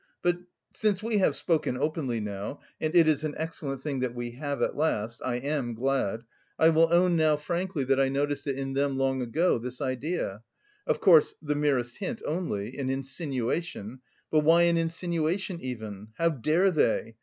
But... since we have spoken openly now (and it is an excellent thing that we have at last I am glad) I will own now frankly that I noticed it in them long ago, this idea. Of course the merest hint only an insinuation but why an insinuation even? How dare they?